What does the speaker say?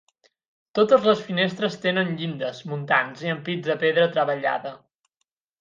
Totes les finestres tenen llindes, muntants i ampits de pedra treballada.